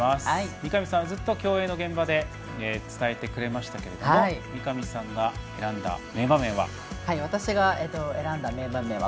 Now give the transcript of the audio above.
三上さんはずっと競泳の現場で伝えていただきましたが三上さんが選んだ名場面は？